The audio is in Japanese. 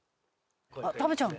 「あっ食べちゃうの？